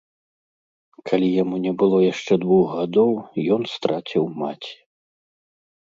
Калі яму не было яшчэ двух гадоў, ён страціў маці.